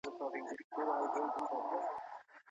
علمي مجله په خپلسري ډول نه ویشل کیږي.